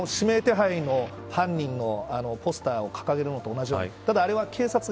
指名手配の犯人のポスターを掲げるのと同じように。